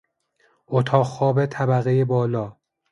اتاق خواب طبقهی بالا